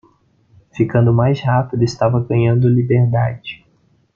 Ficando mais rápido estava ganhando liberdade.